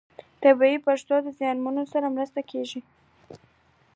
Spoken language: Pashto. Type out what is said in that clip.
د طبیعي پیښو زیانمنو سره مرسته کیږي.